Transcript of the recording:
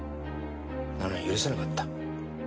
なのに許せなかった。